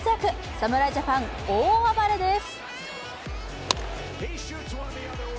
侍ジャパン、大暴れです。